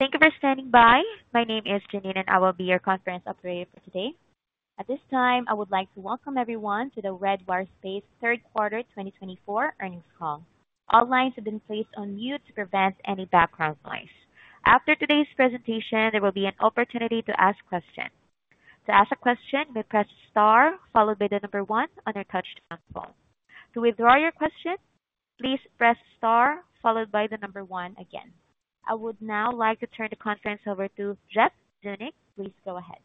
Thank you for standing by. My name is Janine, and I will be your conference operator for today. At this time, I would like to welcome everyone to the Redwire Space third quarter 2024 earnings call. All lines have been placed on mute to prevent any background noise. After today's presentation, there will be an opportunity to ask questions. To ask a question, you may press star followed by the number one on your touchtone phone. To withdraw your question, please press star followed by the number one again. I would now like to turn the conference over to Jeff Zeunik. Please go ahead.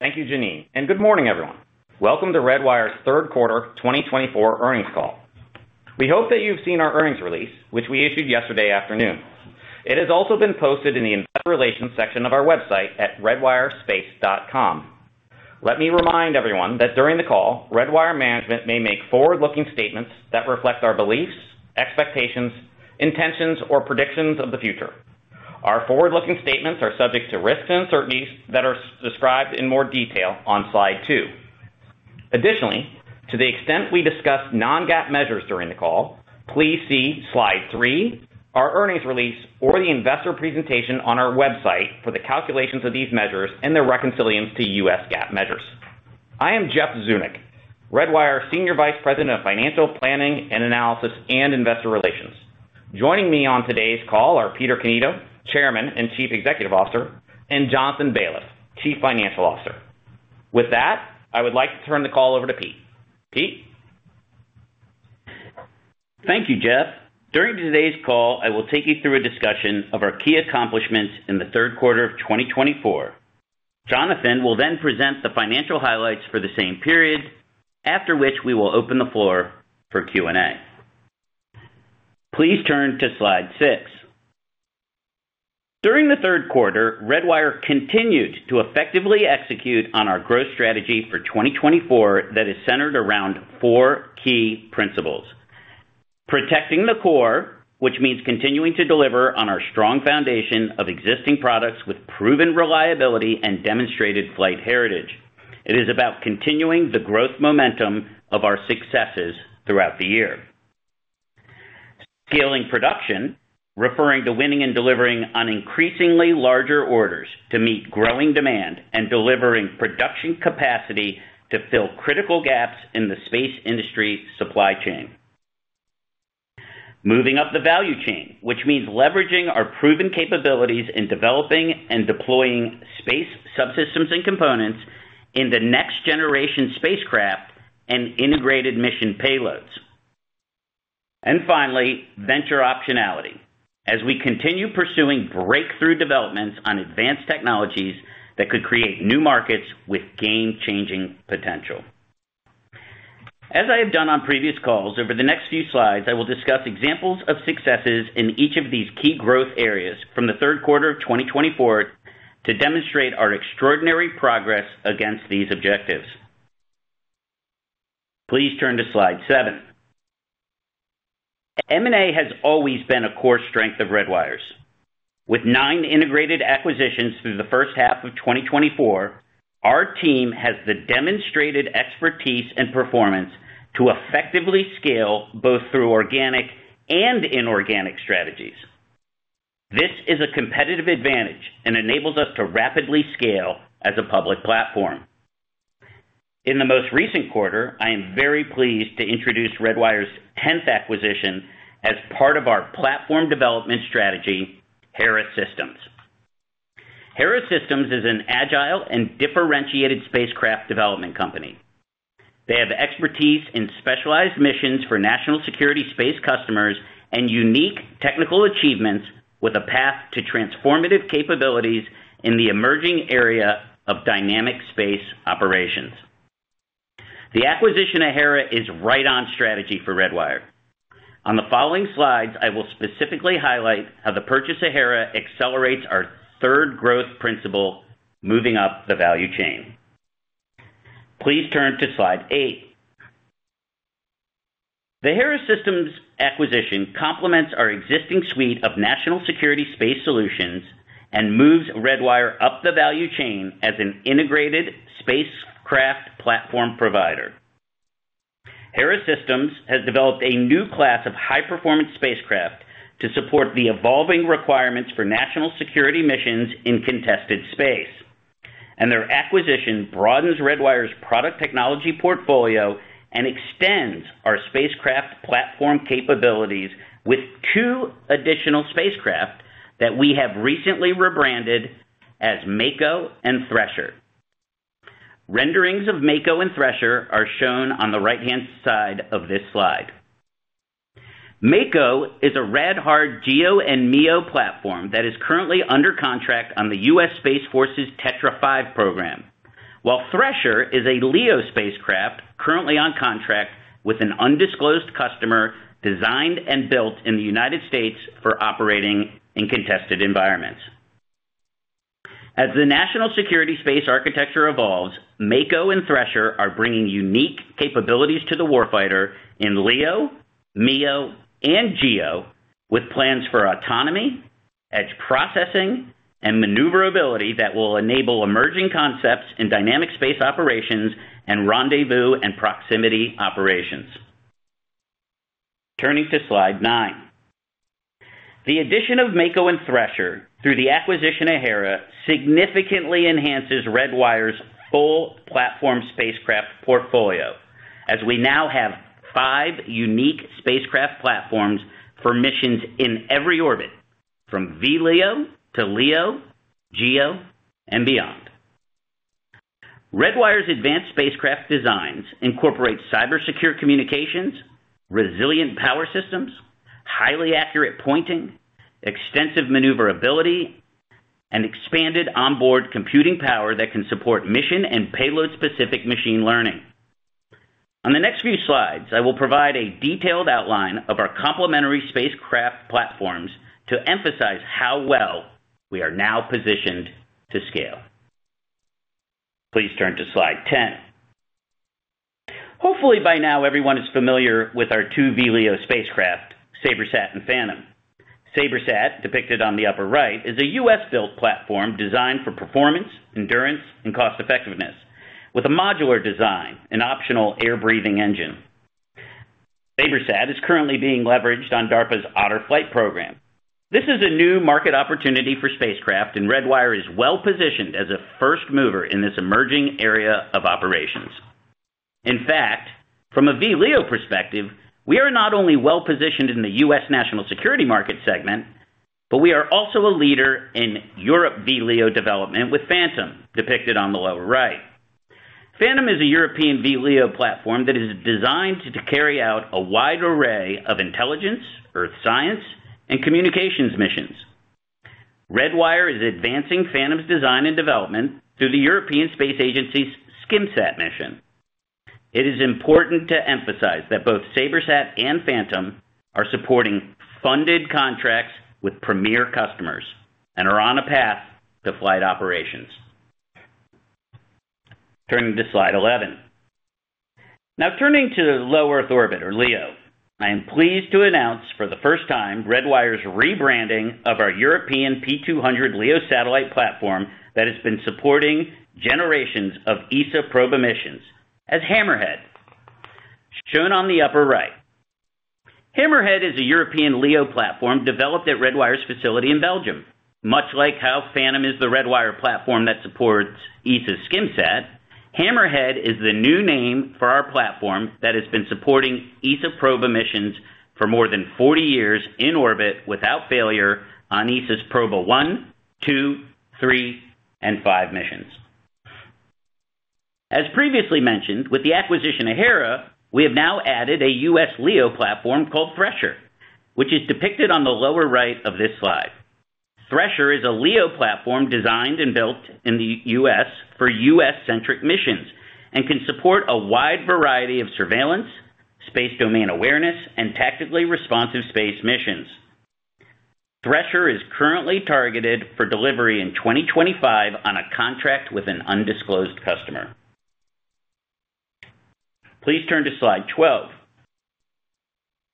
Thank you, Janine. And good morning, everyone. Welcome to Redwire's third quarter 2024 earnings call. We hope that you've seen our earnings release, which we issued yesterday afternoon. It has also been posted in the investor relations section of our website at redwirespace.com. Let me remind everyone that during the call, Redwire management may make forward-looking statements that reflect our beliefs, expectations, intentions, or predictions of the future. Our forward-looking statements are subject to risks and uncertainties that are described in more detail on slide two. Additionally, to the extent we discuss non-GAAP measures during the call, please see slide three, our earnings release, or the investor presentation on our website for the calculations of these measures and their reconciliation to U.S. GAAP measures. I am Jeff Zeunik, Redwire Senior Vice President of Financial Planning and Analysis and Investor Relations. Joining me on today's call are Peter Cannito, Chairman and Chief Executive Officer, and Jonathan Baliff, Chief Financial Officer. With that, I would like to turn the call over to Pete. Pete. Thank you, Jeff. During today's call, I will take you through a discussion of our key accomplishments in the third quarter of 2024. Jonathan will then present the financial highlights for the same period, after which we will open the floor for Q&A. Please turn to slide six. During the third quarter, Redwire continued to effectively execute on our growth strategy for 2024 that is centered around four key principles: protecting the core, which means continuing to deliver on our strong foundation of existing products with proven reliability and demonstrated flight heritage. It is about continuing the growth momentum of our successes throughout the year. Scaling production, referring to winning and delivering on increasingly larger orders to meet growing demand and delivering production capacity to fill critical gaps in the space industry supply chain. Moving up the value chain, which means leveraging our proven capabilities in developing and deploying space subsystems and components in the next generation spacecraft and integrated mission payloads and finally, venture optionality, as we continue pursuing breakthrough developments on advanced technologies that could create new markets with game-changing potential. As I have done on previous calls, over the next few slides, I will discuss examples of successes in each of these key growth areas from the third quarter of 2024 to demonstrate our extraordinary progress against these objectives. Please turn to slide seven. M&A has always been a core strength of Redwire's. With nine integrated acquisitions through the first half of 2024, our team has demonstrated expertise and performance to effectively scale both through organic and inorganic strategies. This is a competitive advantage and enables us to rapidly scale as a public platform. In the most recent quarter, I am very pleased to introduce Redwire's 10th acquisition as part of our platform development strategy, Hera Systems. Hera Systems is an agile and differentiated spacecraft development company. They have expertise in specialized missions for national security space customers and unique technical achievements with a path to transformative capabilities in the emerging area of dynamic space operations. The acquisition of Hera is right on strategy for Redwire. On the following slides, I will specifically highlight how the purchase of Hera accelerates our third growth principle, moving up the value chain. Please turn to slide eight. The Hera Systems acquisition complements our existing suite of national security space solutions and moves Redwire up the value chain as an integrated spacecraft platform provider. Hera Systems has developed a new class of high-performance spacecraft to support the evolving requirements for national security missions in contested space. Their acquisition broadens Redwire's product technology portfolio and extends our spacecraft platform capabilities with two additional spacecraft that we have recently rebranded as Mako and Thresher. Renderings of Mako and Thresher are shown on the right-hand side of this slide. Mako is a rad-hard GEO and MEO platform that is currently under contract on the U.S. Space Force's Tetra-5 program, while Thresher is a LEO spacecraft currently on contract with an undisclosed customer designed and built in the United States for operating in contested environments. As the national security space architecture evolves, Mako and Thresher are bringing unique capabilities to the warfighter in LEO, MEO, and GEO, with plans for autonomy, edge processing, and maneuverability that will enable emerging concepts in dynamic space operations and rendezvous and proximity operations. Turning to slide nine. The addition of Mako and Thresher through the acquisition of Hera significantly enhances Redwire's full platform spacecraft portfolio, as we now have five unique spacecraft platforms for missions in every orbit, from VLEO to LEO, GEO, and beyond. Redwire's advanced spacecraft designs incorporate cybersecure communications, resilient power systems, highly accurate pointing, extensive maneuverability, and expanded onboard computing power that can support mission and payload-specific machine learning. On the next few slides, I will provide a detailed outline of our complementary spacecraft platforms to emphasize how well we are now positioned to scale. Please turn to slide 10. Hopefully, by now, everyone is familiar with our two VLEO spacecraft, SabreSat and Phantom. SabreSat, depicted on the upper right, is a U.S.-built platform designed for performance, endurance, and cost-effectiveness, with a modular design and optional air-breathing engine. SabreSat is currently being leveraged on DARPA's Otter Flight program. This is a new market opportunity for spacecraft, and Redwire is well-positioned as a first mover in this emerging area of operations. In fact, from a VLEO perspective, we are not only well-positioned in the U.S. national security market segment, but we are also a leader in Europe VLEO development with Phantom, depicted on the lower right. Phantom is a European VLEO platform that is designed to carry out a wide array of intelligence, earth science, and communications missions. Redwire is advancing Phantom's design and development through the European Space Agency's Skimsat mission. It is important to emphasize that both SabreSat and Phantom are supporting funded contracts with premier customers and are on a path to flight operations. Turning to slide 11. Now, turning to the low Earth orbit, or LEO, I am pleased to announce for the first time Redwire's rebranding of our European P200 LEO satellite platform that has been supporting generations of ESA Proba missions as Hammerhead, shown on the upper right. Hammerhead is a European LEO platform developed at Redwire's facility in Belgium. Much like how Phantom is the Redwire platform that supports ESA's Skimsat, Hammerhead is the new name for our platform that has been supporting ESA Proba missions for more than 40 years in orbit without failure on ESA's Proba-1, 2, 3, and V missions. As previously mentioned, with the acquisition of Hera, we have now added a U.S. LEO platform called Thresher, which is depicted on the lower right of this slide. Thresher is a LEO platform designed and built in the U.S. for U.S.-centric missions and can support a wide variety of surveillance, space domain awareness, and tactically responsive space missions. Thresher is currently targeted for delivery in 2025 on a contract with an undisclosed customer. Please turn to slide 12.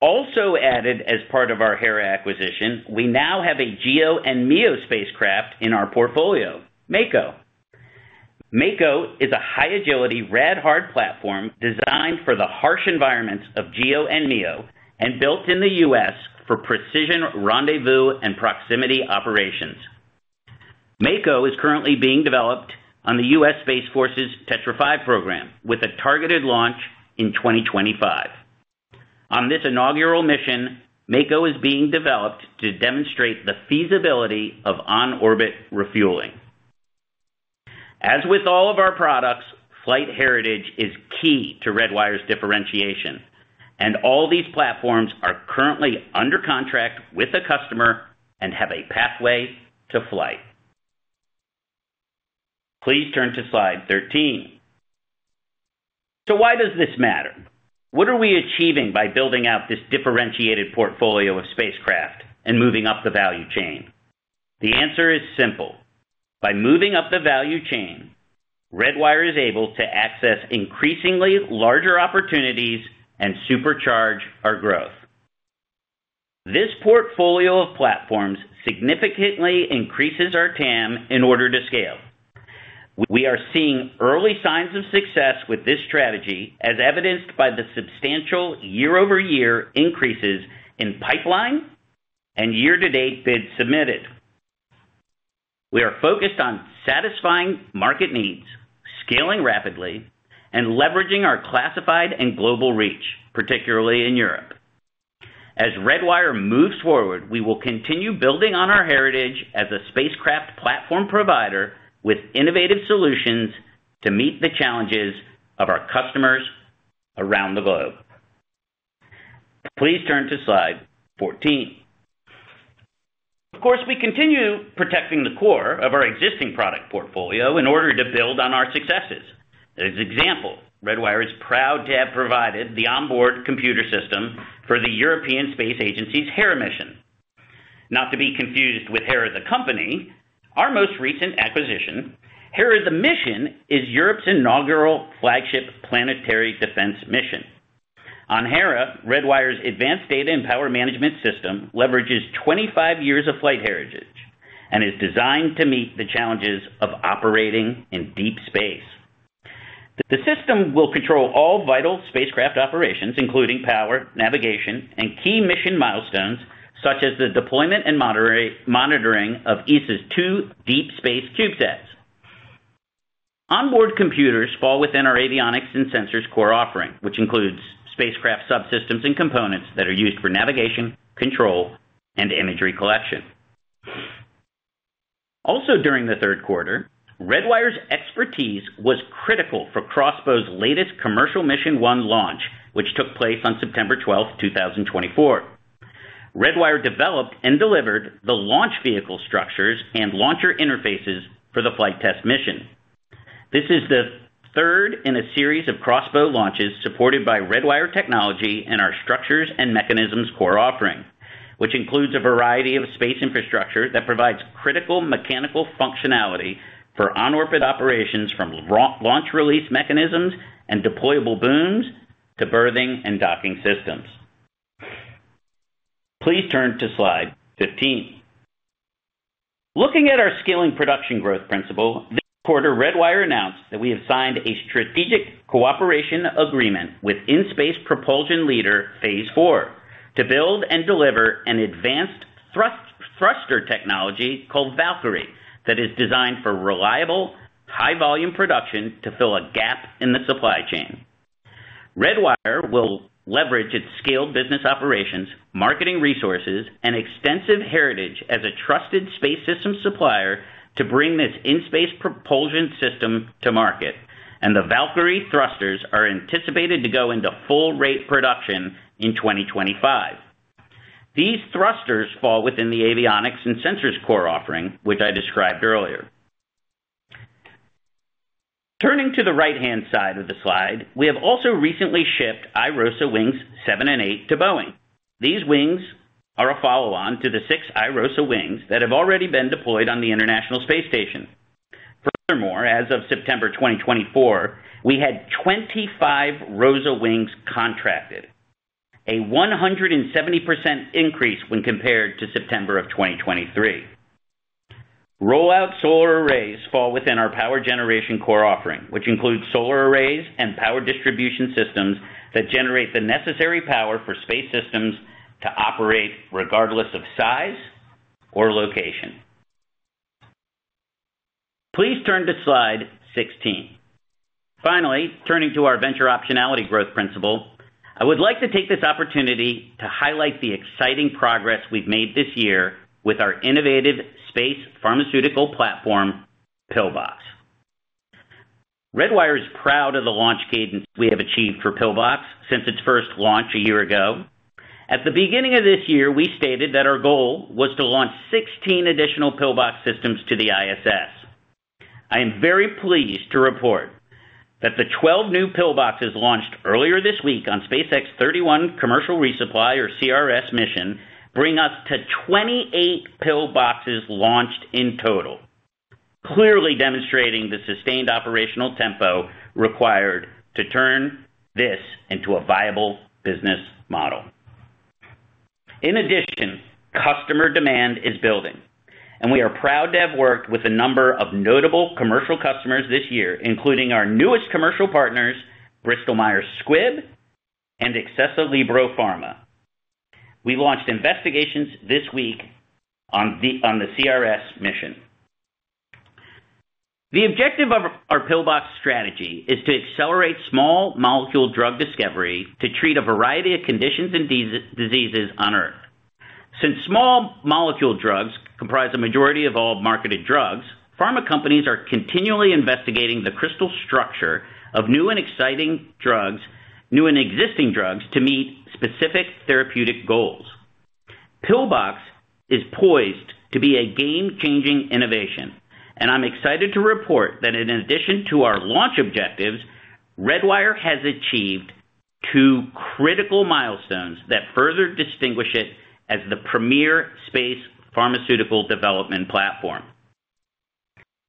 Also added as part of our Hera acquisition, we now have a GEO and MEO spacecraft in our portfolio, Mako. Mako is a high-agility rad-hard platform designed for the harsh environments of GEO and MEO and built in the U.S. for precision rendezvous and proximity operations. Mako is currently being developed on the U.S. Space Force's Tetra-5 program with a targeted launch in 2025. On this inaugural mission, Mako is being developed to demonstrate the feasibility of on-orbit refueling. As with all of our products, flight heritage is key to Redwire's differentiation, and all these platforms are currently under contract with a customer and have a pathway to flight. Please turn to slide 13. So why does this matter? What are we achieving by building out this differentiated portfolio of spacecraft and moving up the value chain? The answer is simple. By moving up the value chain, Redwire is able to access increasingly larger opportunities and supercharge our growth. This portfolio of platforms significantly increases our TAM in order to scale. We are seeing early signs of success with this strategy, as evidenced by the substantial year-over-year increases in pipeline and year-to-date bids submitted. We are focused on satisfying market needs, scaling rapidly, and leveraging our classified and global reach, particularly in Europe. As Redwire moves forward, we will continue building on our heritage as a spacecraft platform provider with innovative solutions to meet the challenges of our customers around the globe. Please turn to slide 14. Of course, we continue protecting the core of our existing product portfolio in order to build on our successes. As an example, Redwire is proud to have provided the onboard computer system for the European Space Agency's Hera mission. Not to be confused with Hera the company, our most recent acquisition, Hera the mission is Europe's inaugural flagship planetary defense mission. On Hera, Redwire's advanced data and power management system leverages 25 years of flight heritage and is designed to meet the challenges of operating in deep space. The system will control all vital spacecraft operations, including power, navigation, and key mission milestones, such as the deployment and monitoring of ESA's two deep space CubeSats. Onboard computers fall within our avionics and sensors core offering, which includes spacecraft subsystems and components that are used for navigation, control, and imagery collection. Also during the third quarter, Redwire's expertise was critical for X-Bow's latest Commercial Mission-1 launch, which took place on September 12, 2024. Redwire developed and delivered the launch vehicle structures and launcher interfaces for the flight test mission. This is the third in a series of X-Bow launches supported by Redwire technology and our structures and mechanisms core offering, which includes a variety of space infrastructure that provides critical mechanical functionality for on-orbit operations from launch release mechanisms and deployable booms to berthing and docking systems. Please turn to slide 15. Looking at our scaling production growth principle, this quarter, Redwire announced that we have signed a strategic cooperation agreement with in-space propulsion leader Phase Four to build and deliver an advanced thruster technology called Valkyrie that is designed for reliable, high-volume production to fill a gap in the supply chain. Redwire will leverage its scaled business operations, marketing resources, and extensive heritage as a trusted space system supplier to bring this in-space propulsion system to market, and the Valkyrie thrusters are anticipated to go into full-rate production in 2025. These thrusters fall within the avionics and sensors core offering, which I described earlier. Turning to the right-hand side of the slide, we have also recently shipped iROSA wings 7 and 8 to Boeing. These wings are a follow-on to the six iROSA wings that have already been deployed on the International Space Station. Furthermore, as of September 2024, we had 25 ROSA wings contracted, a 170% increase when compared to September of 2023. Rollout solar arrays fall within our power generation core offering, which includes solar arrays and power distribution systems that generate the necessary power for space systems to operate regardless of size or location. Please turn to slide 16. Finally, turning to our venture optionality growth principle, I would like to take this opportunity to highlight the exciting progress we've made this year with our innovative space pharmaceutical platform, PIL-BOX. Redwire is proud of the launch cadence we have achieved for PIL-BOX since its first launch a year ago. At the beginning of this year, we stated that our goal was to launch 16 additional PIL-BOX systems to the ISS. I am very pleased to report that the 12 new PIL-BOXes launched earlier this week on SpaceX's 31 commercial resupply, or CRS, mission bring us to 28 PIL-BOXes launched in total, clearly demonstrating the sustained operational tempo required to turn this into a viable business model. In addition, customer demand is building, and we are proud to have worked with a number of notable commercial customers this year, including our newest commercial partners, Bristol Myers Squibb and ExesaLibero Pharma. We launched investigations this week on the CRS mission. The objective of our PIL-BOX strategy is to accelerate small molecule drug discovery to treat a variety of conditions and diseases on Earth. Since small molecule drugs comprise a majority of all marketed drugs, pharma companies are continually investigating the crystal structure of new and exciting drugs, new and existing drugs to meet specific therapeutic goals. PIL-BOX is poised to be a game-changing innovation, and I'm excited to report that in addition to our launch objectives, Redwire has achieved two critical milestones that further distinguish it as the premier space pharmaceutical development platform.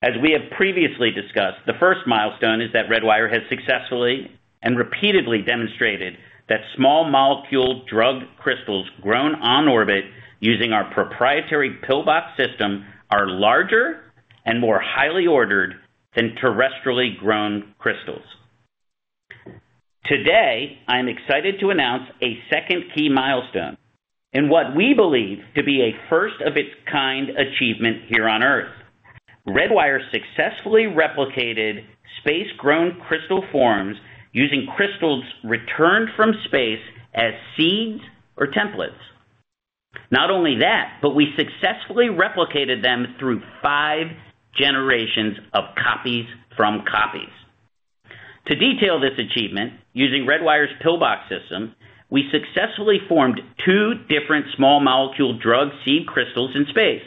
As we have previously discussed, the first milestone is that Redwire has successfully and repeatedly demonstrated that small molecule drug crystals grown on orbit using our proprietary PIL-BOX system are larger and more highly ordered than terrestrially grown crystals. Today, I'm excited to announce a second key milestone in what we believe to be a first-of-its-kind achievement here on Earth. Redwire successfully replicated space-grown crystal forms using crystals returned from space as seeds or templates. Not only that, but we successfully replicated them through five generations of copies from copies. To detail this achievement, using Redwire's PIL-BOX system, we successfully formed two different small molecule drug seed crystals in space,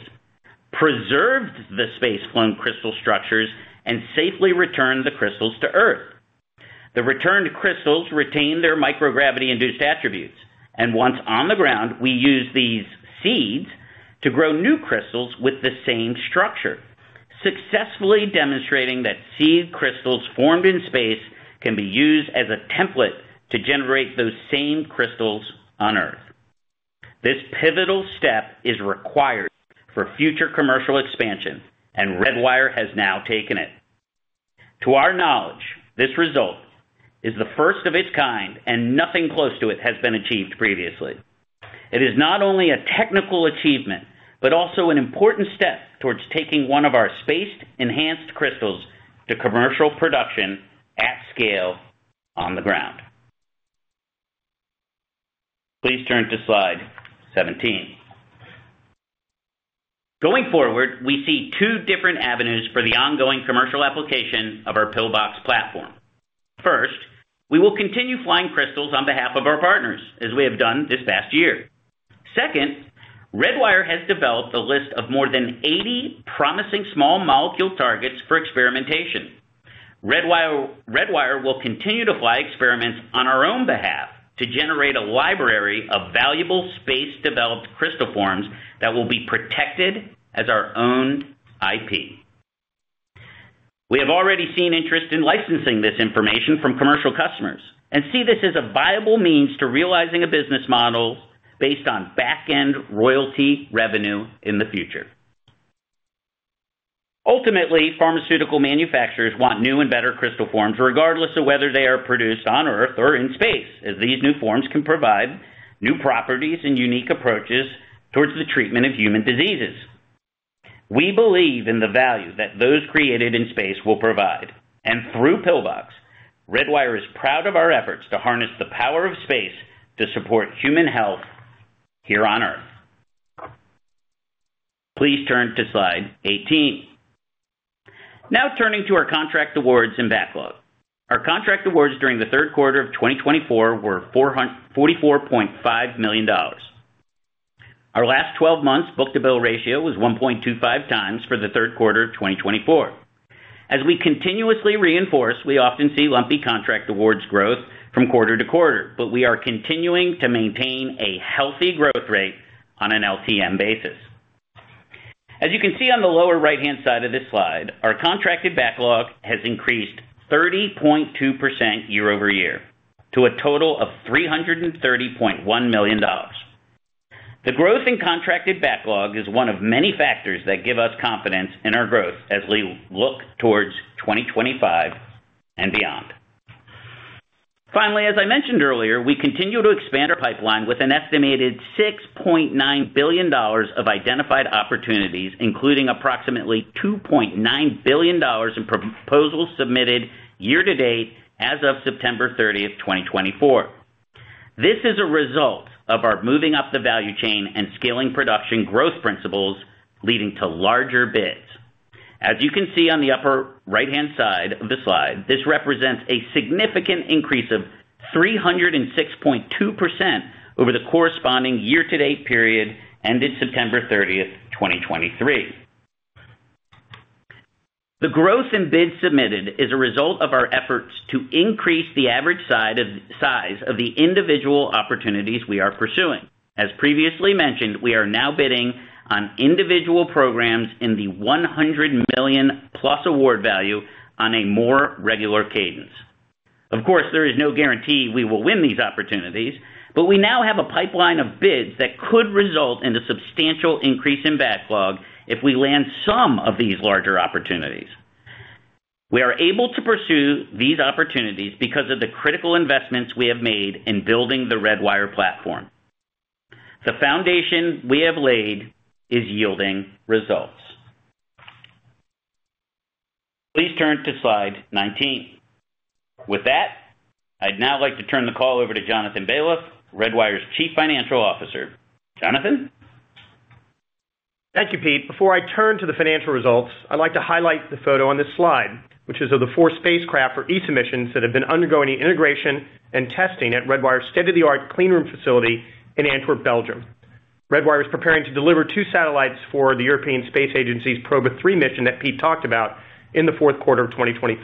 preserved the space-flown crystal structures, and safely returned the crystals to Earth. The returned crystals retain their microgravity-induced attributes, and once on the ground, we use these seeds to grow new crystals with the same structure, successfully demonstrating that seed crystals formed in space can be used as a template to generate those same crystals on Earth. This pivotal step is required for future commercial expansion, and Redwire has now taken it. To our knowledge, this result is the first of its kind, and nothing close to it has been achieved previously. It is not only a technical achievement, but also an important step towards taking one of our space-enhanced crystals to commercial production at scale on the ground. Please turn to slide 17. Going forward, we see two different avenues for the ongoing commercial application of our PIL-BOX platform. First, we will continue flying crystals on behalf of our partners, as we have done this past year. Second, Redwire has developed a list of more than 80 promising small molecule targets for experimentation. Redwire will continue to fly experiments on our own behalf to generate a library of valuable space-developed crystal forms that will be protected as our owned IP. We have already seen interest in licensing this information from commercial customers and see this as a viable means to realizing a business model based on back-end royalty revenue in the future. Ultimately, pharmaceutical manufacturers want new and better crystal forms, regardless of whether they are produced on Earth or in space, as these new forms can provide new properties and unique approaches towards the treatment of human diseases. We believe in the value that those created in space will provide, and through PIL-BOX, Redwire is proud of our efforts to harness the power of space to support human health here on Earth. Please turn to slide 18. Now turning to our contract awards and backlog. Our contract awards during the third quarter of 2024 were $44.5 million. Our last 12 months' book-to-bill ratio was 1.25x for the third quarter of 2024. As we continuously reinforce, we often see lumpy contract awards growth from quarter to quarter, but we are continuing to maintain a healthy growth rate on an LTM basis. As you can see on the lower right-hand side of this slide, our contracted backlog has increased 30.2% year over year to a total of $330.1 million. The growth in contracted backlog is one of many factors that give us confidence in our growth as we look towards 2025 and beyond. Finally, as I mentioned earlier, we continue to expand our pipeline with an estimated $6.9 billion of identified opportunities, including approximately $2.9 billion in proposals submitted year-to-date as of September 30, 2024. This is a result of our moving up the value chain and scaling production growth principles leading to larger bids. As you can see on the upper right-hand side of the slide, this represents a significant increase of 306.2% over the corresponding year-to-date period ended September 30, 2023. The growth in bids submitted is a result of our efforts to increase the average size of the individual opportunities we are pursuing. As previously mentioned, we are now bidding on individual programs in the 100 million+ award value on a more regular cadence. Of course, there is no guarantee we will win these opportunities, but we now have a pipeline of bids that could result in a substantial increase in backlog if we land some of these larger opportunities. We are able to pursue these opportunities because of the critical investments we have made in building the Redwire platform. The foundation we have laid is yielding results. Please turn to slide 19. With that, I'd now like to turn the call over to Jonathan Baliff, Redwire's Chief Financial Officer. Jonathan? Thank you, Pete. Before I turn to the financial results, I'd like to highlight the photo on this slide, which is of the four spacecraft for ESA missions that have been undergoing integration and testing at Redwire's state-of-the-art cleanroom facility in Antwerp, Belgium. Redwire is preparing to deliver two satellites for the European Space Agency's Proba-3 mission that Pete talked about in the fourth quarter of 2024.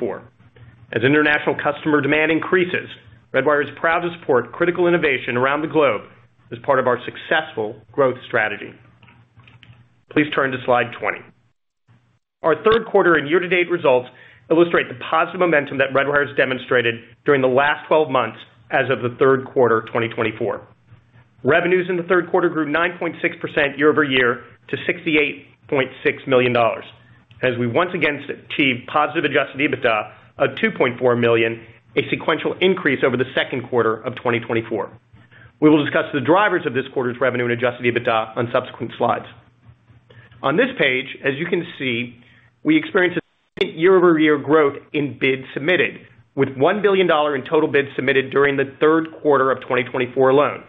As international customer demand increases, Redwire is proud to support critical innovation around the globe as part of our successful growth strategy. Please turn to slide 20. Our third quarter and year-to-date results illustrate the positive momentum that Redwire has demonstrated during the last 12 months as of the third quarter of 2024. Revenues in the third quarter grew 9.6% year-over-year to $68.6 million, as we once again achieved positive Adjusted EBITDA of $2.4 million, a sequential increase over the second quarter of 2024. We will discuss the drivers of this quarter's revenue and Adjusted EBITDA on subsequent slides. On this page, as you can see, we experienced a year-over-year growth in bids submitted, with $1 billion in total bids submitted during the third quarter of 2024 alone.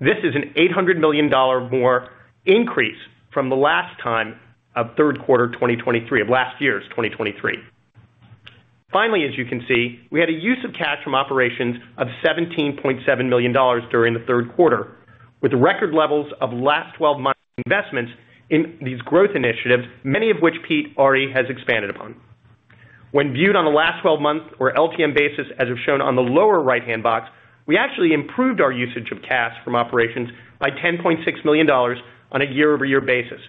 This is an $800 million more increase from the last time of third quarter 2023, of last year's 2023. Finally, as you can see, we had a use of cash from operations of $17.7 million during the third quarter, with record levels of last 12 months' investments in these growth initiatives, many of which Pete already has expanded upon. When viewed on the last 12 months or LTM basis, as shown on the lower right-hand box, we actually improved our usage of cash from operations by $10.6 million on a year-over-year basis,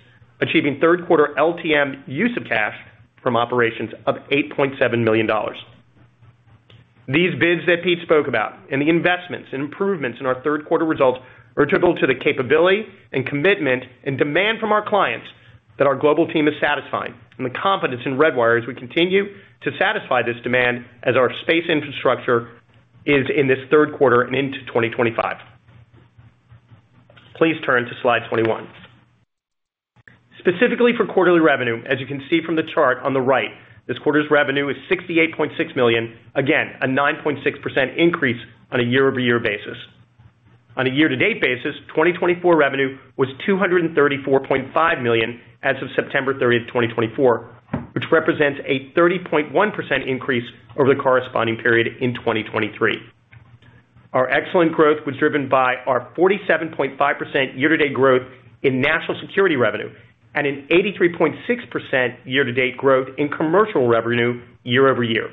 achieving third quarter LTM use of cash from operations of $8.7 million. These bids that Pete spoke about and the investments and improvements in our third quarter results are typical to the capability and commitment and demand from our clients that our global team is satisfying, and the confidence in Redwire as we continue to satisfy this demand as our space infrastructure is in this third quarter and into 2025. Please turn to slide 21. Specifically for quarterly revenue, as you can see from the chart on the right, this quarter's revenue is $68.6 million, again, a 9.6% increase on a year-over-year basis. On a year-to-date basis, 2024 revenue was $234.5 million as of September 30, 2024, which represents a 30.1% increase over the corresponding period in 2023. Our excellent growth was driven by our 47.5% year-to-date growth in national security revenue and an 83.6% year-to-date growth in commercial revenue year-over-year.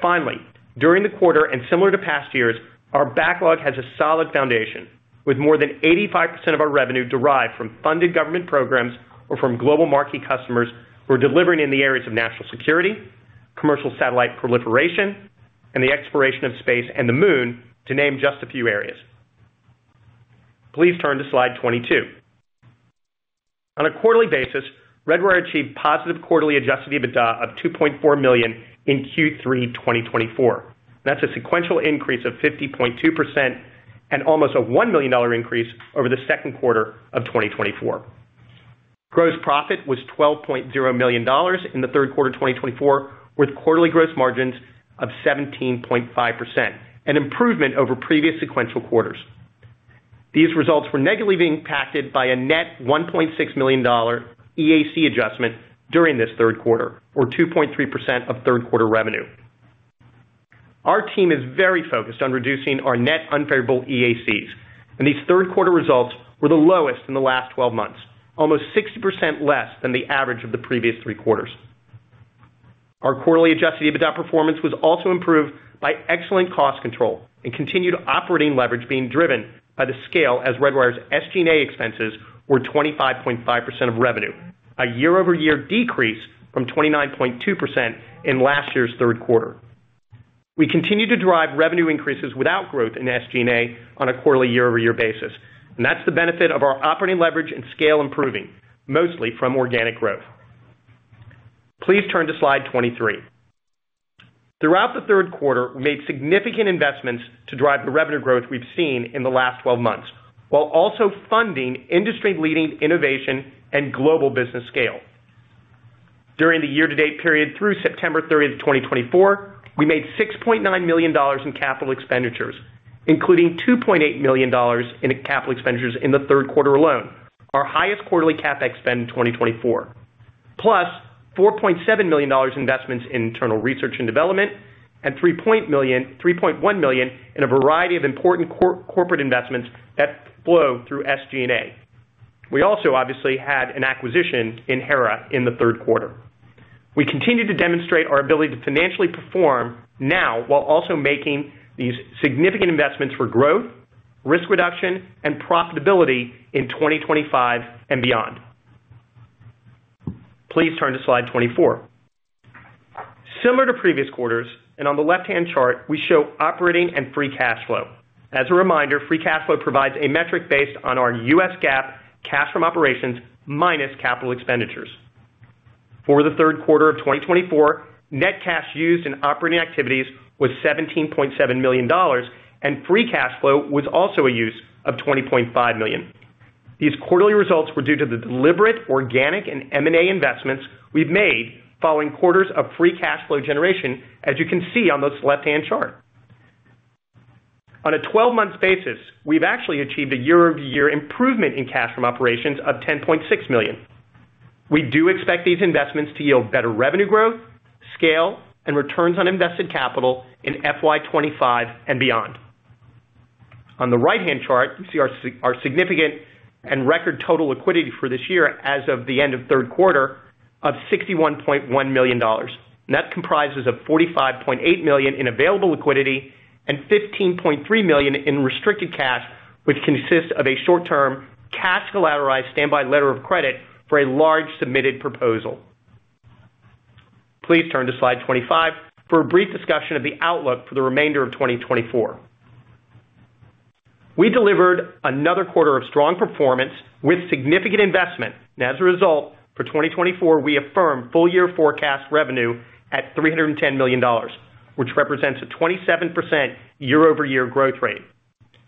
Finally, during the quarter and similar to past years, our backlog has a solid foundation, with more than 85% of our revenue derived from funded government programs or from global marquee customers who are delivering in the areas of national security, commercial satellite proliferation, and the exploration of space and the moon, to name just a few areas. Please turn to slide 22. On a quarterly basis, Redwire achieved positive quarterly Adjusted EBITDA of $2.4 million in Q3 2024. That's a sequential increase of 50.2% and almost a $1 million increase over the second quarter of 2024. Gross profit was $12.0 million in the third quarter of 2024, with quarterly gross margins of 17.5%, an improvement over previous sequential quarters. These results were negatively impacted by a net $1.6 million EAC adjustment during this third quarter, or 2.3% of third quarter revenue. Our team is very focused on reducing our net unfavorable EACs, and these third quarter results were the lowest in the last 12 months, almost 60% less than the average of the previous three quarters. Our quarterly Adjusted EBITDA performance was also improved by excellent cost control and continued operating leverage being driven by the scale as Redwire's SG&A expenses were 25.5% of revenue, a year-over-year decrease from 29.2% in last year's third quarter. We continue to drive revenue increases without growth in SG&A on a quarterly year-over-year basis, and that's the benefit of our operating leverage and scale improving, mostly from organic growth. Please turn to slide 23. Throughout the third quarter, we made significant investments to drive the revenue growth we've seen in the last 12 months, while also funding industry-leading innovation and global business scale. During the year-to-date period through September 30, 2024, we made $6.9 million in capital expenditures, including $2.8 million in capital expenditures in the third quarter alone, our highest quarterly CapEx spend in 2024, plus $4.7 million investments in internal research and development and $3.1 million in a variety of important corporate investments that flow through SG&A. We also obviously had an acquisition in Hera Systems in the third quarter. We continue to demonstrate our ability to financially perform now while also making these significant investments for growth, risk reduction, and profitability in 2025 and beyond. Please turn to slide 24. Similar to previous quarters, and on the left-hand chart, we show operating and free cash flow. As a reminder, free cash flow provides a metric based on our U.S. GAAP cash from operations minus capital expenditures. For the third quarter of 2024, net cash used in operating activities was $17.7 million, and free cash flow was also a use of $20.5 million. These quarterly results were due to the deliberate organic and M&A investments we've made following quarters of free cash flow generation, as you can see on this left-hand chart. On a 12-month basis, we've actually achieved a year-over-year improvement in cash from operations of $10.6 million. We do expect these investments to yield better revenue growth, scale, and returns on invested capital in FY 2025 and beyond. On the right-hand chart, you see our significant and record total liquidity for this year as of the end of third quarter of $61.1 million. That comprises of $45.8 million in available liquidity and $15.3 million in restricted cash, which consists of a short-term cash-collateralized standby letter of credit for a large submitted proposal. Please turn to slide 25 for a brief discussion of the outlook for the remainder of 2024. We delivered another quarter of strong performance with significant investment. As a result, for 2024, we affirmed full-year forecast revenue at $310 million, which represents a 27% year-over-year growth rate.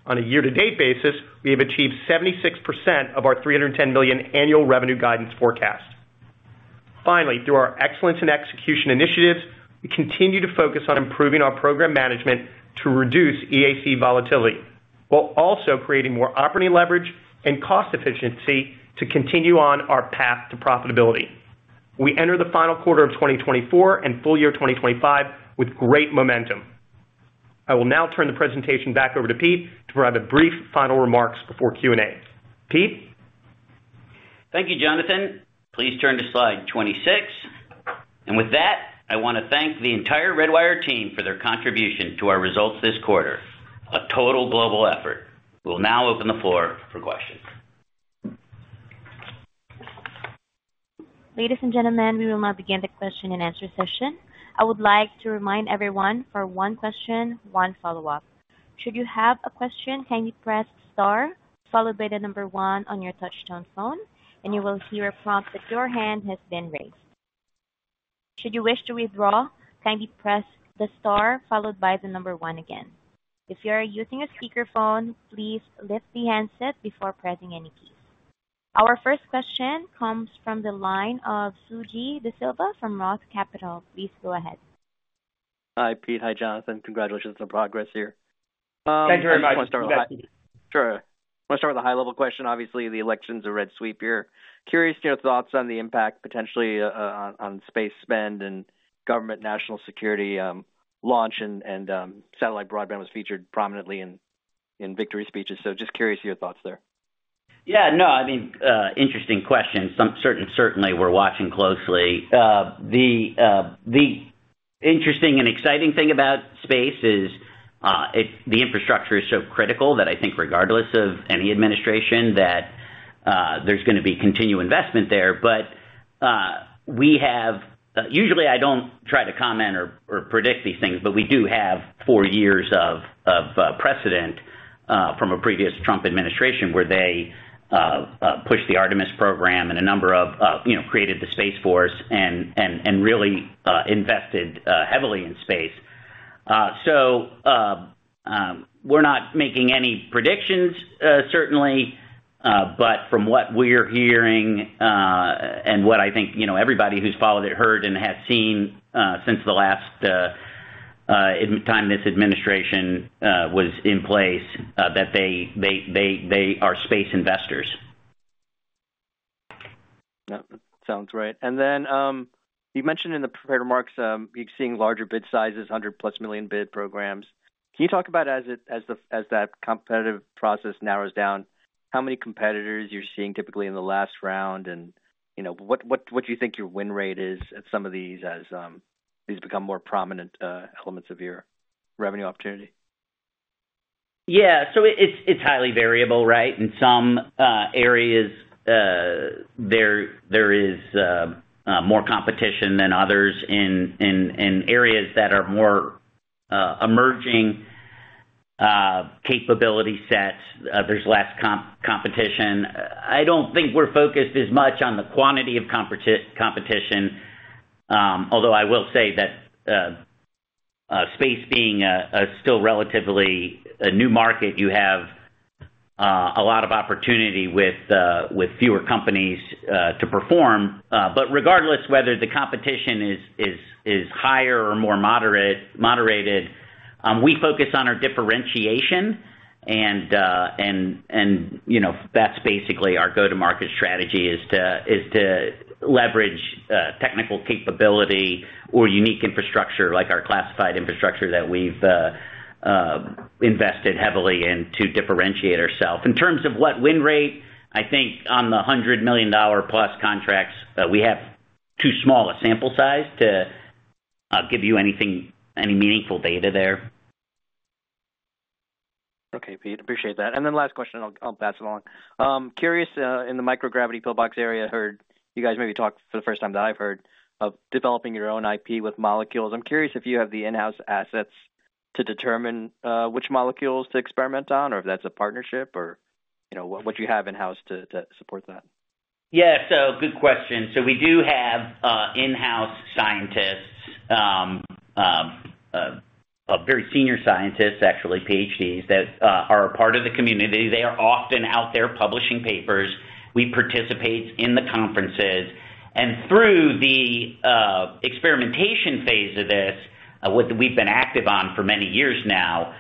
On a year-to-date basis, we have achieved 76% of our $310 million annual revenue guidance forecast. Finally, through our excellence and execution initiatives, we continue to focus on improving our program management to reduce EAC volatility, while also creating more operating leverage and cost efficiency to continue on our path to profitability. We enter the final quarter of 2024 and full year 2025 with great momentum. I will now turn the presentation back over to Pete to provide a brief final remarks before Q&A. Pete. Thank you, Jonathan. Please turn to slide 26. And with that, I want to thank the entire Redwire team for their contribution to our results this quarter, a total global effort. We'll now open the floor for questions. Ladies and gentlemen, we will now begin the question and answer session. I would like to remind everyone for one question, one follow-up. Should you have a question, kindly press star followed by the number one on your touch-tone phone, and you will hear a prompt that your hand has been raised. Should you wish to withdraw, kindly press the star followed by the number one again. If you are using a speakerphone, please lift the handset before pressing any keys. Our first question comes from the line of Suji Desilva from Roth Capital. Please go ahead. Hi, Pete. Hi, Jonathan. Congratulations on progress here. Thank you very much. Sure. I want to start with a high-level question. Obviously, the election is a red sweep here. Curious to your thoughts on the impact potentially on space spend and government national security launch, and satellite broadband was featured prominently in victory speeches. So just curious to your thoughts there. Yeah. No, I mean, interesting question. Certainly, we're watching closely. The interesting and exciting thing about space is the infrastructure is so critical that I think regardless of any administration, there's going to be continued investment there. But we have usually, I don't try to comment or predict these things, but we do have four years of precedent from a previous Trump administration where they pushed the Artemis program and a number of created the Space Force and really invested heavily in space. So we're not making any predictions, certainly. But from what we're hearing and what I think everybody who's followed it heard and has seen since the last time this administration was in place, that they are space investors. Yeah. Sounds right. And then you mentioned in the prepared remarks, you're seeing larger bid sizes, $100 million+ bid programs. Can you talk about as that competitive process narrows down, how many competitors you're seeing typically in the last round? And what do you think your win rate is at some of these as these become more prominent elements of your revenue opportunity? Yeah. So it's highly variable, right? In some areas, there is more competition than others. In areas that are more emerging capability sets, there's less competition. I don't think we're focused as much on the quantity of competition, although I will say that space being still relatively a new market, you have a lot of opportunity with fewer companies to perform. But regardless of whether the competition is higher or more moderated, we focus on our differentiation, and that's basically our go-to-market strategy is to leverage technical capability or unique infrastructure, like our classified infrastructure that we've invested heavily in to differentiate ourselves. In terms of what win rate, I think on the $100 million+ contracts, we have too small a sample size to give you any meaningful data there. Okay, Pete. Appreciate that, and then last question, I'll pass it along. Curious, in the microgravity PIL-BOX area, I heard you guys maybe talk for the first time that I've heard of developing your own IP with molecules. I'm curious if you have the in-house assets to determine which molecules to experiment on, or if that's a partnership, or what you have in-house to support that. Yeah. So good question. So we do have in-house scientists, very senior scientists, actually, PhDs that are a part of the community. They are often out there publishing papers. We participate in the conferences. And through the experimentation phase of this, we've been active on for many years now,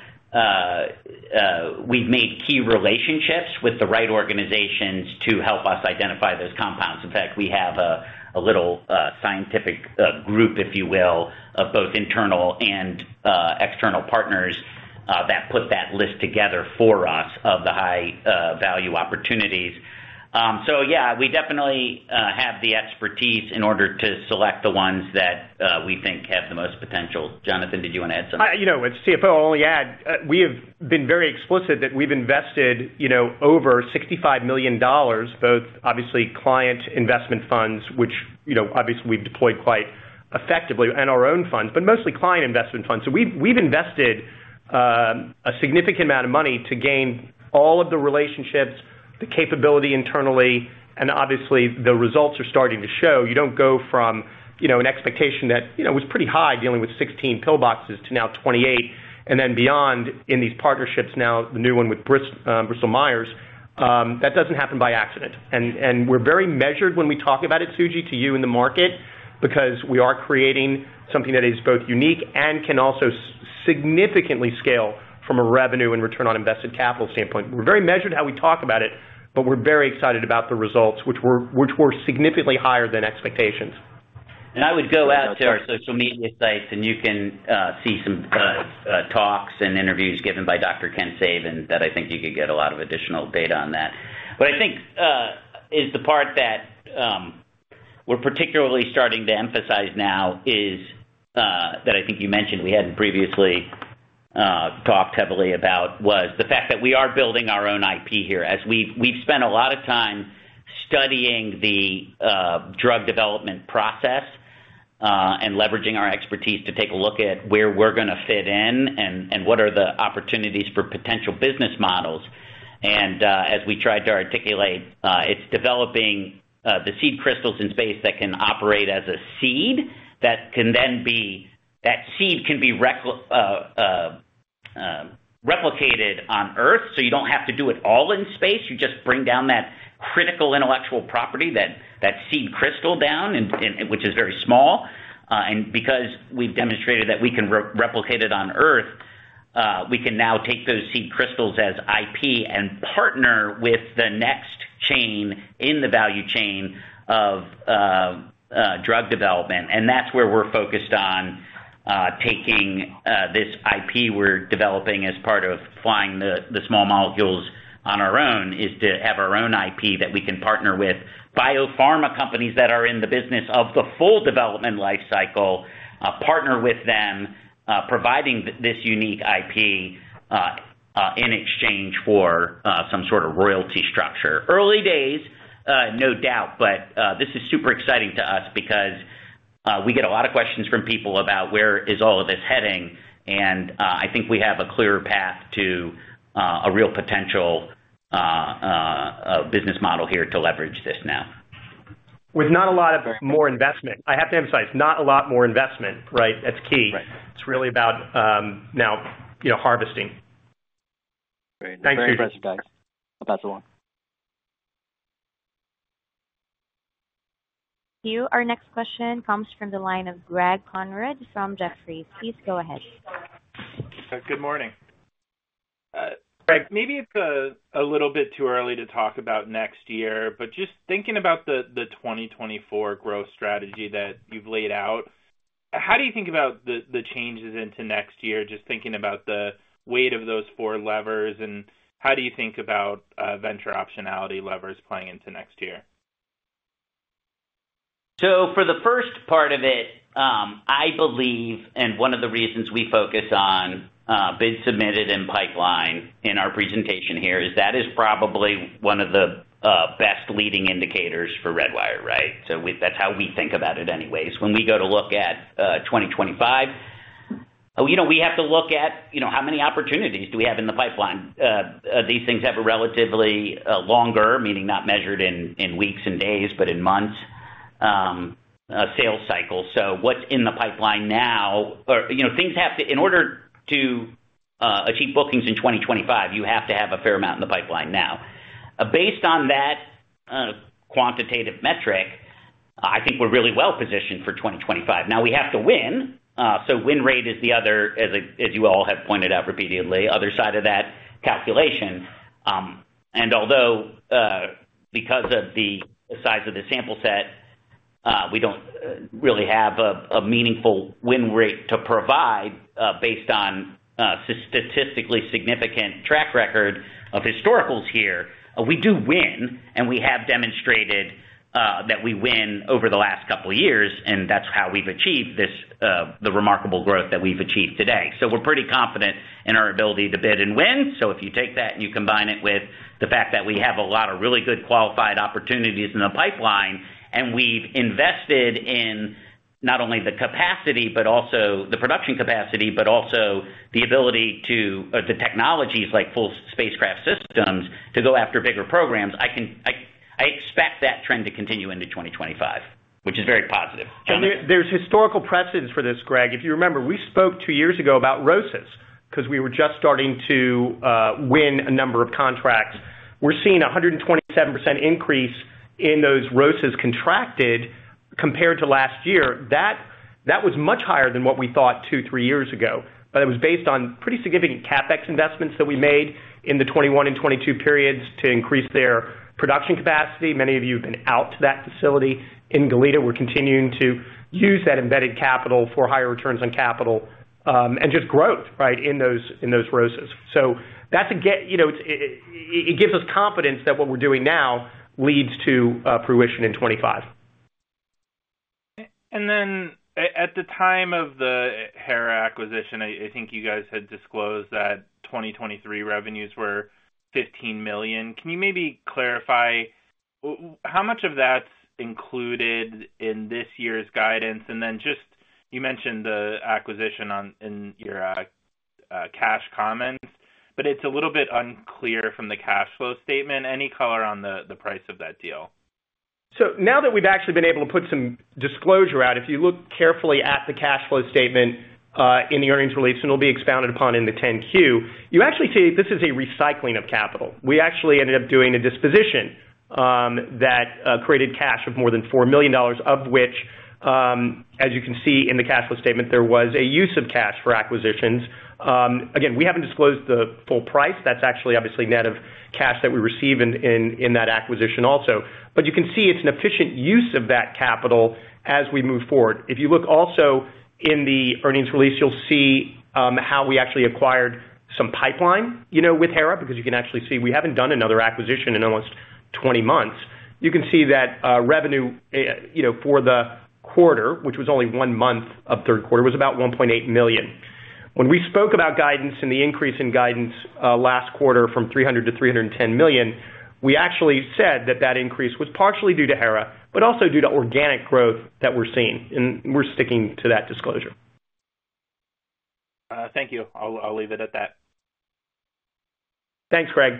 we've made key relationships with the right organizations to help us identify those compounds. In fact, we have a little scientific group, if you will, of both internal and external partners that put that list together for us of the high-value opportunities. So yeah, we definitely have the expertise in order to select the ones that we think have the most potential. Jonathan, did you want to add something? As CFO, I'll only add we have been very explicit that we've invested over $65 million, both obviously client investment funds, which obviously we've deployed quite effectively, and our own funds, but mostly client investment funds. So we've invested a significant amount of money to gain all of the relationships, the capability internally, and obviously, the results are starting to show. You don't go from an expectation that was pretty high dealing with 16 PIL-BOXes to now 28 and then beyond in these partnerships, now the new one with Bristol Myers. That doesn't happen by accident. And we're very measured when we talk about it, Suji, to you in the market, because we are creating something that is both unique and can also significantly scale from a revenue and return on invested capital standpoint. We're very measured how we talk about it, but we're very excited about the results, which were significantly higher than expectations. And I would go out to our social media sites, and you can see some talks and interviews given by Dr. Ken Savin that I think you could get a lot of additional data on that. What I think is the part that we're particularly starting to emphasize now is that I think you mentioned we hadn't previously talked heavily about was the fact that we are building our own IP here. We've spent a lot of time studying the drug development process and leveraging our expertise to take a look at where we're going to fit in and what are the opportunities for potential business models. As we tried to articulate, it's developing the seed crystals in space that can operate as a seed that can then be replicated on Earth. You don't have to do it all in space. You just bring down that critical intellectual property, that seed crystal down, which is very small. Because we've demonstrated that we can replicate it on Earth, we can now take those seed crystals as IP and partner with the next chain in the value chain of drug development. That's where we're focused on taking this IP we're developing as part of flying the small molecules on our own, is to have our own IP that we can partner with biopharma companies that are in the business of the full development life cycle, partner with them, providing this unique IP in exchange for some sort of royalty structure. Early days, no doubt, but this is super exciting to us because we get a lot of questions from people about where is all of this heading? And I think we have a clearer path to a real potential business model here to leverage this now. With not a lot of more investment. I have to emphasize, not a lot more investment, right? That's key. It's really about now harvesting. Thank you. I'll pass it along. Our next question comes from the line of Greg Konrad from Jefferies. Please go ahead. Good morning. Greg. Maybe it's a little bit too early to talk about next year, but just thinking about the 2024 growth strategy that you've laid out, how do you think about the changes into next year, just thinking about the weight of those four levers? And how do you think about venture optionality levers playing into next year? So for the first part of it, I believe, and one of the reasons we focus on bid submitted and pipeline in our presentation here is that is probably one of the best leading indicators for Redwire, right? So that's how we think about it anyways. When we go to look at 2025, we have to look at how many opportunities do we have in the pipeline. These things have a relatively longer, meaning not measured in weeks and days, but in months, sales cycle. So what's in the pipeline now? Things have to, in order to achieve bookings in 2025, you have to have a fair amount in the pipeline now. Based on that quantitative metric, I think we're really well positioned for 2025. Now, we have to win. So win rate is the other, as you all have pointed out repeatedly, other side of that calculation. Although because of the size of the sample set, we don't really have a meaningful win rate to provide based on statistically significant track record of historicals here, we do win. We have demonstrated that we win over the last couple of years, and that's how we've achieved the remarkable growth that we've achieved today. We're pretty confident in our ability to bid and win. If you take that and you combine it with the fact that we have a lot of really good qualified opportunities in the pipeline, and we've invested in not only the capacity, but also the production capacity, but also the ability to, or the technologies like full spacecraft systems to go after bigger programs, I expect that trend to continue into 2025, which is very positive. There's historical precedent for this, Greg. If you remember, we spoke two years ago about ROSAs because we were just starting to win a number of contracts. We're seeing a 127% increase in those ROSAs contracted compared to last year. That was much higher than what we thought two, three years ago. But it was based on pretty significant CapEx investments that we made in the 2021 and 2022 periods to increase their production capacity. Many of you have been out to that facility in Goleta. We're continuing to use that embedded capital for higher returns on capital and just growth, right, in those ROSAs. So it gives us confidence that what we're doing now leads to fruition in 2025. And then at the time of the Hera acquisition, I think you guys had disclosed that 2023 revenues were $15 million. Can you maybe clarify how much of that's included in this year's guidance? You mentioned the acquisition in your cash comments, but it's a little bit unclear from the cash flow statement. Any color on the price of that deal? So now that we've actually been able to put some disclosure out, if you look carefully at the cash flow statement in the earnings release, and it'll be expounded upon in the 10-Q, you actually see this is a recycling of capital. We actually ended up doing a disposition that created cash of more than $4 million, of which, as you can see in the cash flow statement, there was a use of cash for acquisitions. Again, we haven't disclosed the full price. That's actually obviously net of cash that we receive in that acquisition also. But you can see it's an efficient use of that capital as we move forward. If you look also in the earnings release, you'll see how we actually acquired some pipeline with Hera because you can actually see we haven't done another acquisition in almost 20 months. You can see that revenue for the quarter, which was only one month of third quarter, was about $1.8 million. When we spoke about guidance and the increase in guidance last quarter from $300 million-$310 million, we actually said that that increase was partially due to Hera, but also due to organic growth that we're seeing. And we're sticking to that disclosure. Thank you. I'll leave it at that. Thanks, Greg.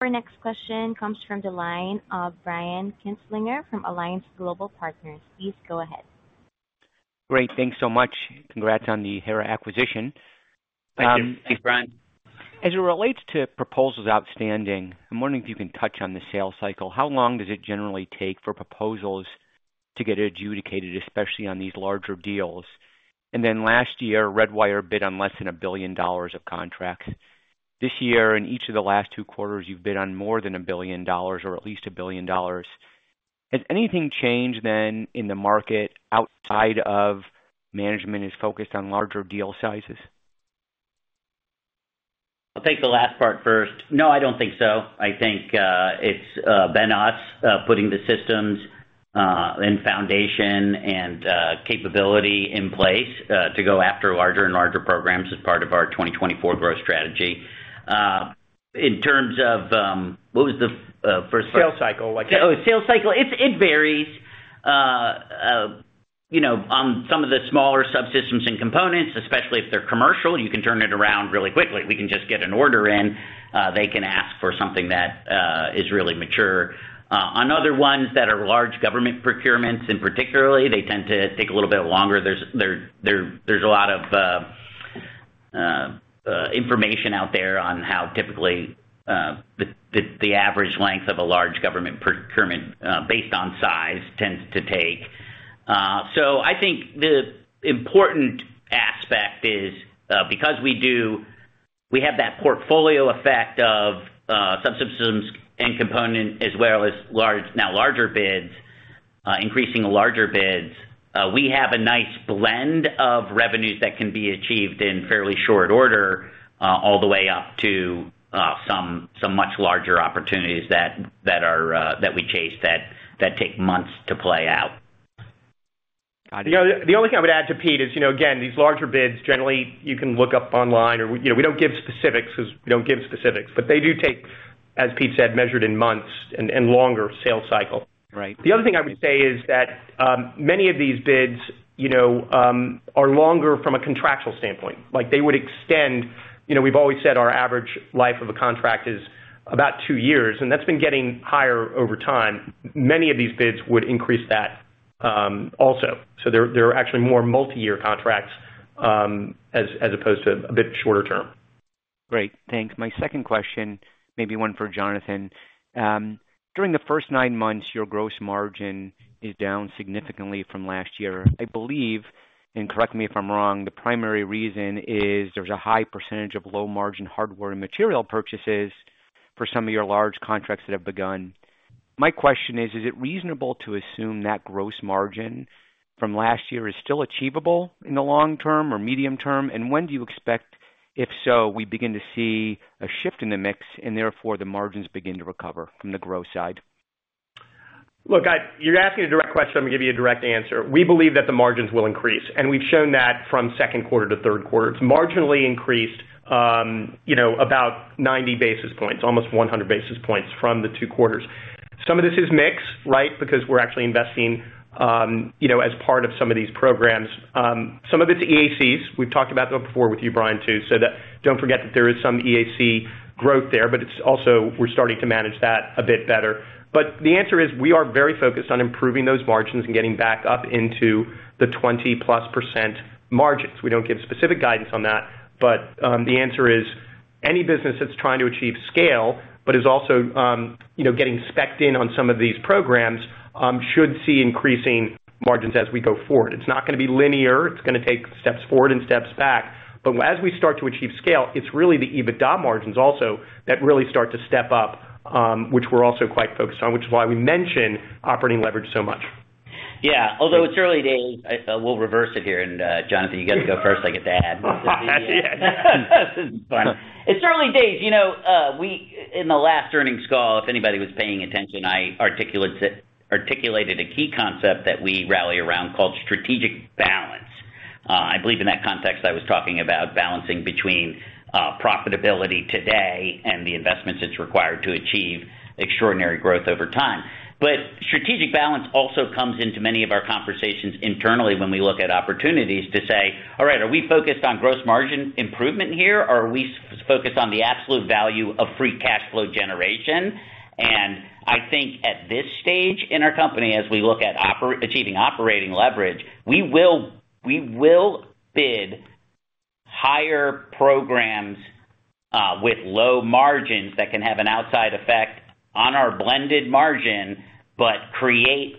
Our next question comes from the line of Brian Kinstlinger from Alliance Global Partners. Please go ahead. Great. Thanks so much. Congrats on the Hera acquisition. Thank you, Brian. As it relates to proposals outstanding, I'm wondering if you can touch on the sales cycle. How long does it generally take for proposals to get adjudicated, especially on these larger deals? And then last year, Redwire bid on less than $1 billion of contracts. This year, in each of the last two quarters, you've bid on more than $1 billion or at least $1 billion. Has anything changed then in the market outside of management is focused on larger deal sizes? I'll take the last part first. No, I don't think so. I think it's been us putting the systems and foundation and capability in place to go after larger and larger programs as part of our 2024 growth strategy. In terms of what was the first part? Sales cycle. Oh, sales cycle. It varies. On some of the smaller subsystems and components, especially if they're commercial, you can turn it around really quickly. We can just get an order in. They can ask for something that is really mature. On other ones that are large government procurements, in particular, they tend to take a little bit longer. There's a lot of information out there on how typically the average length of a large government procurement based on size tends to take. So I think the important aspect is because we have that portfolio effect of subsystems and component as well as now larger bids, increasing larger bids, we have a nice blend of revenues that can be achieved in fairly short order all the way up to some much larger opportunities that we chase that take months to play out. The only thing I would add to Pete is, again, these larger bids generally you can look up online or we don't give specifics because we don't give specifics, but they do take, as Pete said, measured in months and longer sales cycle. The other thing I would say is that many of these bids are longer from a contractual standpoint. They would extend. We've always said our average life of a contract is about two years, and that's been getting higher over time. Many of these bids would increase that also. So they're actually more multi-year contracts as opposed to a bit shorter term. Great. Thanks. My second question, maybe one for Jonathan. During the first nine months, your gross margin is down significantly from last year. I believe, and correct me if I'm wrong, the primary reason is there's a high percentage of low-margin hardware and material purchases for some of your large contracts that have begun. My question is, is it reasonable to assume that gross margin from last year is still achievable in the long term or medium term? And when do you expect, if so, we begin to see a shift in the mix and therefore the margins begin to recover from the growth side? Look, you're asking a direct question. I'm going to give you a direct answer. We believe that the margins will increase, and we've shown that from second quarter to third quarter. It's marginally increased about 90 basis points, almost 100 basis points from the two quarters. Some of this is mix, right, because we're actually investing as part of some of these programs. Some of it's EACs. We've talked about them before with you, Brian too. So don't forget that there is some EAC growth there, but it's also we're starting to manage that a bit better. But the answer is we are very focused on improving those margins and getting back up into the 20%+ margins. We don't give specific guidance on that, but the answer is any business that's trying to achieve scale but is also getting spec'd in on some of these programs should see increasing margins as we go forward. It's not going to be linear. It's going to take steps forward and steps back. But as we start to achieve scale, it's really the EBITDA margins also that really start to step up, which we're also quite focused on, which is why we mention operating leverage so much. Yeah. Although it's early days, we'll reverse it here. And Jonathan, you get to go first. I get to add. It's early days. In the last earnings call, if anybody was paying attention, I articulated a key concept that we rally around called strategic balance. I believe in that context, I was talking about balancing between profitability today and the investments it's required to achieve extraordinary growth over time. But strategic balance also comes into many of our conversations internally when we look at opportunities to say, "All right, are we focused on gross margin improvement here? Are we focused on the absolute value of free cash flow generation?" And I think at this stage in our company, as we look at achieving operating leverage, we will bid higher programs with low margins that can have an outside effect on our blended margin, but create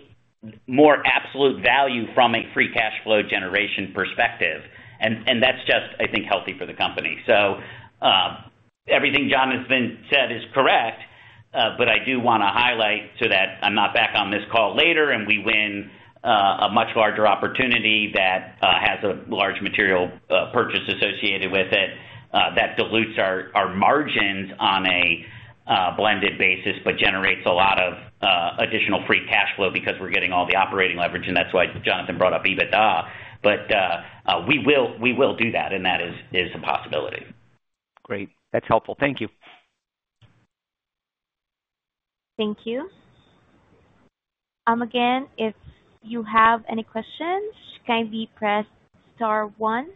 more absolute value from a free cash flow generation perspective. That's just, I think, healthy for the company. So everything Jonathan said is correct, but I do want to highlight so that I'm not back on this call later and we win a much larger opportunity that has a large material purchase associated with it that dilutes our margins on a blended basis, but generates a lot of additional free cash flow because we're getting all the operating leverage. That's why Jonathan brought up EBITDA. But we will do that, and that is a possibility. Great. That's helpful. Thank you. Thank you. Again, if you have any questions, you can press star one.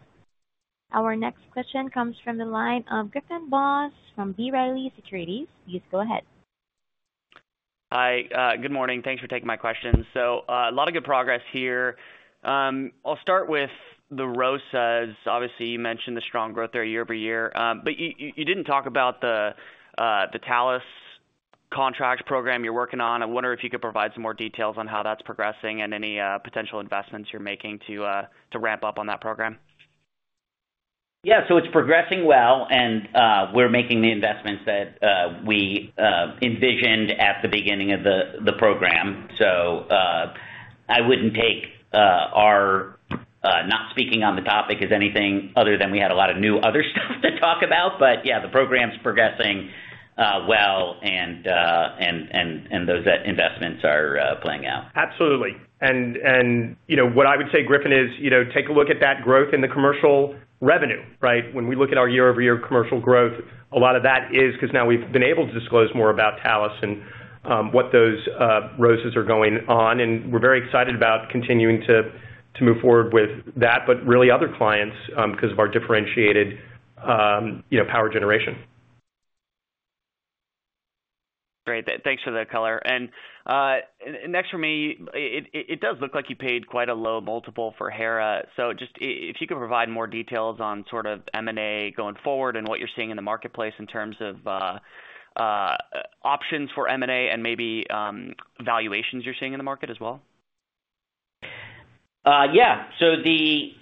Our next question comes from the line of Griffin Boss from B. Riley Securities. Please go ahead. Hi. Good morning. Thanks for taking my questions. So a lot of good progress here. I'll start with the ROSA. Obviously, you mentioned the strong growth there year over year. But you didn't talk about the Thales contract program you're working on. I wonder if you could provide some more details on how that's progressing and any potential investments you're making to ramp up on that program. Yeah. So it's progressing well, and we're making the investments that we envisioned at the beginning of the program. So I wouldn't take our not speaking on the topic as anything other than we had a lot of new other stuff to talk about. But yeah, the program's progressing well, and those investments are playing out. Absolutely. And what I would say, Griffin, is take a look at that growth in the commercial revenue, right? When we look at our year-over-year commercial growth, a lot of that is because now we've been able to disclose more about Thales and what those ROSA are going on. And we're very excited about continuing to move forward with that, but really other clients because of our differentiated power generation. Great. Thanks for that color. And next for me, it does look like you paid quite a low multiple for Hera. So just if you could provide more details on sort of M&A going forward and what you're seeing in the marketplace in terms of options for M&A and maybe valuations you're seeing in the market as well. Yeah. So the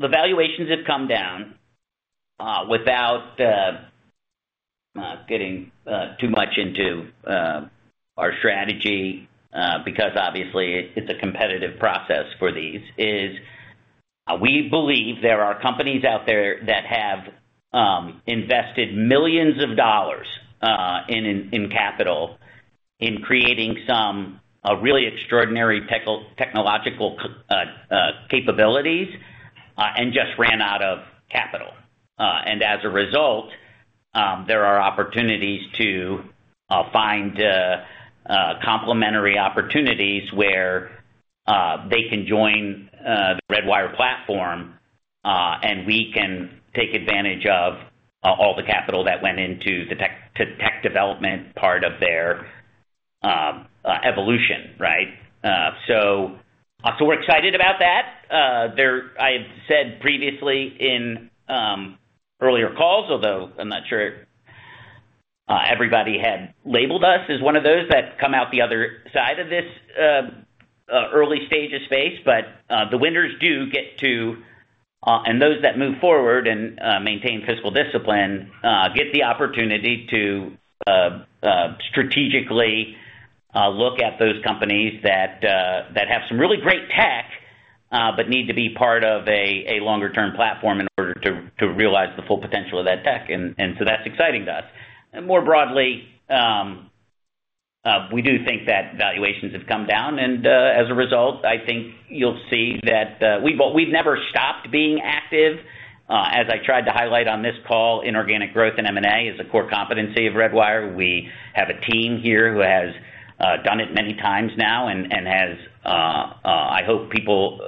valuations have come down without getting too much into our strategy because obviously it's a competitive process for these. We believe there are companies out there that have invested millions of dollars in capital in creating some really extraordinary technological capabilities and just ran out of capital. And as a result, there are opportunities to find complementary opportunities where they can join the Redwire platform, and we can take advantage of all the capital that went into the tech development part of their evolution, right? So we're excited about that. I had said previously in earlier calls, although I'm not sure everybody had labeled us as one of those that come out the other side of this early stage of space. But the winners do get to, and those that move forward and maintain fiscal discipline get the opportunity to strategically look at those companies that have some really great tech but need to be part of a longer-term platform in order to realize the full potential of that tech. And so that's exciting to us. More broadly, we do think that valuations have come down. And as a result, I think you'll see that we've never stopped being active. As I tried to highlight on this call, inorganic growth and M&A is a core competency of Redwire. We have a team here who has done it many times now and has, I hope people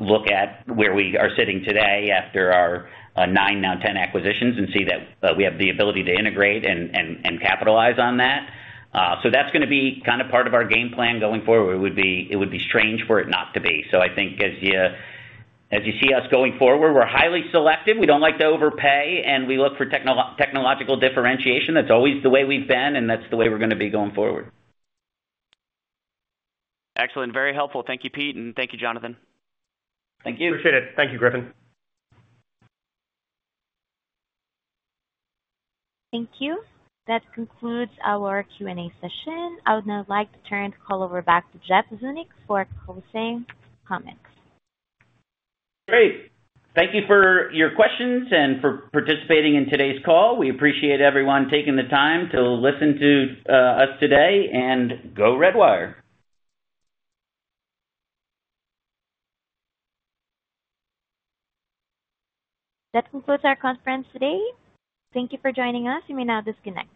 look at where we are sitting today after our nine, now ten acquisitions and see that we have the ability to integrate and capitalize on that. So that's going to be kind of part of our game plan going forward. It would be strange for it not to be. So I think as you see us going forward, we're highly selective. We don't like to overpay, and we look for technological differentiation. That's always the way we've been, and that's the way we're going to be going forward. Excellent. Very helpful. Thank you, Pete. And thank you, Jonathan. Thank you. Appreciate it. Thank you, Griffin. Thank you. That concludes our Q&A session. I would now like to turn the call over back to Jeff Zeunik for closing comments. Great. Thank you for your questions and for participating in today's call. We appreciate everyone taking the time to listen to us today. And go Redwire. That concludes our conference today. Thank you for joining us. You may now disconnect.